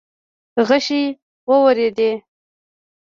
غشې وورېدې.